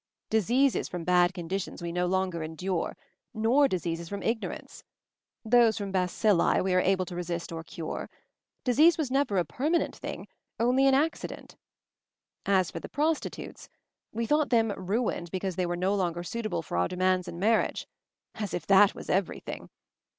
Diseases from bad conditions we no longer endure, nor dis eases from ignorance, those from bacilli we are able to resist or cure ; disease was never a permanent thing— only an accident. As for the prostitutes — we thought them 'ruined* because they were no longer suit able for our demands in marriage. As if that was everything!